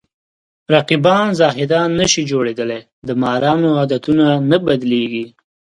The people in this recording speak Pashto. رقیبان زاهدان نشي جوړېدلی د مارانو عادتونه نه بدلېږي